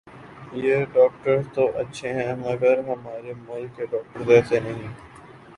یہ ڈاکٹرز تو اچھے ھیں مگر ھمارے ملک کے ڈاکٹر ایسے نہیں ھیں